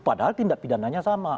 padahal tindak pidananya sama